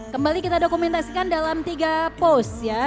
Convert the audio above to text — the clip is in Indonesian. kembali kita dokumentasikan dalam tiga post ya